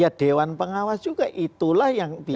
ya dewan pengawas juga itulah yang bisa